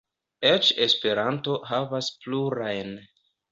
Eĉ Esperanto havas plurajn.